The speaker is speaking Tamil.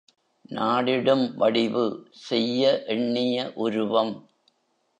நாடிடும் வடிவு—செய்ய எண்ணிய உருவம்.